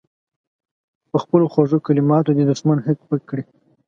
په خپلو خوږو کلماتو دې دښمن هک پک کړي.